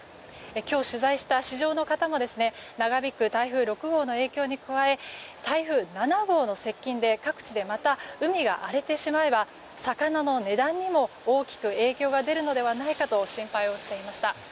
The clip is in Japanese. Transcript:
今日、取材した市場の方も長引く台風６号の影響に加え台風７号の接近で各地でまた海が荒れてしまえば魚の値段にも大きく影響が出るのではないかと心配をしていました。